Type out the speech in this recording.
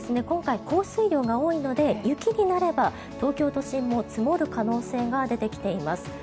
今回、降水量が多いので雪になれば東京都心も積もる可能性が出てきています。